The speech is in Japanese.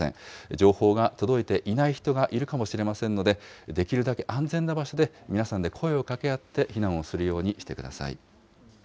情報が届いていない人がいるかもしれませんので、できるだけ安全な場所で、皆さんで声をかけ合って避難をするようにしてください。